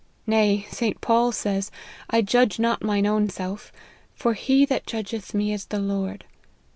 Nay, St. Paul says, * I judge not mine own self, for he that judgeth me is the Lord.'